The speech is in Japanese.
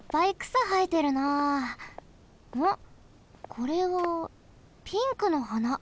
これはピンクのはな。